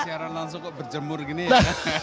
siaran langsung kok berjemur gini ya